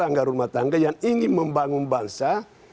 anggaran rumah tangga yang ingin membangun bangsa